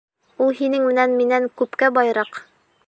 Ул һинең менән минән күпкә байыраҡ!